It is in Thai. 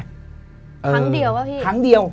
ครั้งเดียวหรอพี่พี่ครั้งเดียว